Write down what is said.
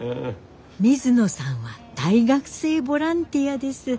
水野さんは大学生ボランティアです。